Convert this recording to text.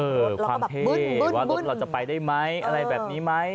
แล้วก็แบบบึ้นบึ้นบึ้นว่ารถเราจะไปได้ไหมอะไรแบบนี้ไหม